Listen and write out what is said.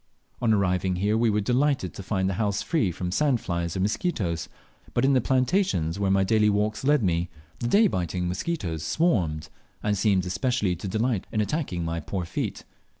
On arriving here we were delighted to find the house free from sand flies or mosquitoes, but in the plantations where my daily walks led me, the day biting mosquitoes swarmed, and seemed especially to delight in attaching my poor feet.